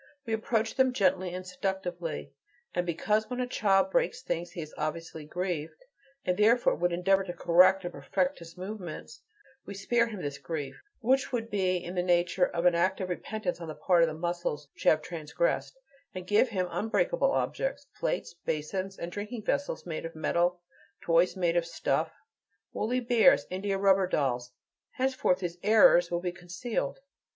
We approach them gently and seductively; and because when a child breaks things he is obviously grieved, and therefore would endeavor to correct and perfect his movements, we spare him this grief, which would be in the nature of "an act of repentance on the part of the muscles which have transgressed," and give him unbreakable objects: plates, basins, and drinking vessels made of metal, toys made of stuff, woolly bears, india rubber dolls. Henceforth his "errors" will be concealed.